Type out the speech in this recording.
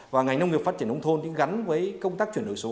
và ngành nông nghiệp phát triển nông thôn gắn với công tác chuyển đổi số